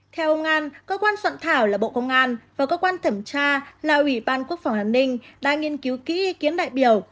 theo ông an cơ quan soạn thảo là bộ công an và cơ quan thẩm tra là ủy ban quốc phòng an ninh đã nghiên cứu kỹ ý kiến đại biểu